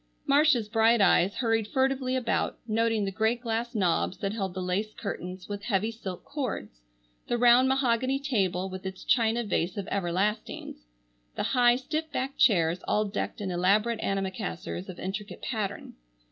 Marcia's bright eyes hurried furtively about, noting the great glass knobs that held the lace curtains with heavy silk cords, the round mahogany table, with its china vase of "everlastings," the high, stiff backed chairs all decked in elaborate antimacassars of intricate pattern.